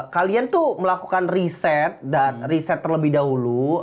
kalian tuh melakukan riset dan riset terlebih dahulu